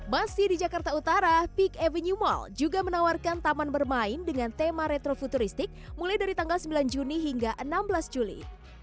masih di jakarta utara peak avenue mall juga menawarkan taman bermain dengan tema retro futuristik mulai dari tanggal sembilan juni hingga enam belas juli